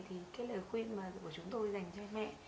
thì cái lời khuyên của chúng tôi dành cho em mẹ